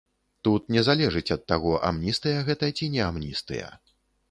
Тут не залежыць ад таго, амністыя гэта ці не амністыя.